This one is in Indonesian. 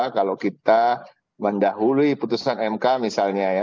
kalau kita mendahului putusan mk misalnya ya